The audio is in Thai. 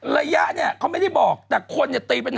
ระยะเนี่ยเขาไม่ได้บอกแต่คนเนี่ยตีเป็น